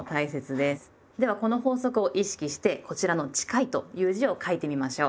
ではこの法則を意識してこちらの「近い」という字を書いてみましょう！